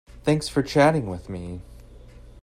Thanks for chatting with me.